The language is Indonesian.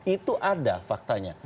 itu ada faktanya